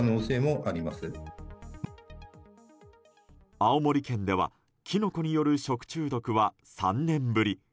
青森県ではキノコによる食中毒は３年ぶり。